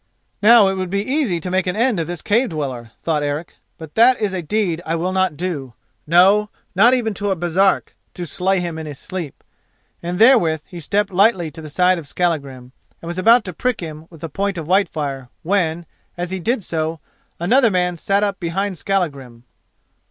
"Now it would be easy to make an end of this cave dweller," thought Eric; "but that is a deed I will not do—no, not even to a Baresark—to slay him in his sleep," and therewith he stepped lightly to the side of Skallagrim, and was about to prick him with the point of Whitefire, when! as he did so, another man sat up behind Skallagrim.